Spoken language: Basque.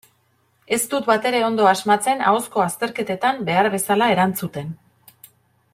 Ez dut batere ondo asmatzen ahozko azterketetan behar bezala erantzuten.